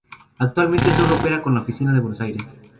Actualmente solo opera con la oficina de Buenos Aires.